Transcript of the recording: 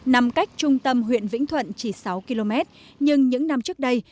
nằm cách trung tâm huyện vĩnh thuận chỉ sáu km nhưng những năm trước đây